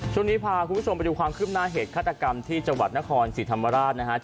ช่วงนี้พาคุณผู้ชมไปดูความคืบหน้าเหตุฆาตกรรมที่จังหวัดนครศรีธรรมราชนะครับ